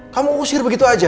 kamu usir begitu saja